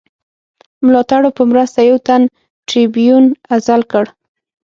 ملاتړو په مرسته یو تن ټربیون عزل کړ.